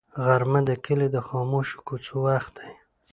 غرمه د کلي د خاموشو کوڅو وخت دی